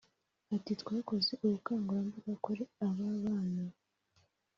Ati “Twakoze ubukangurambaga kuri aba bana